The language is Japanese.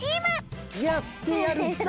やってやるぞ！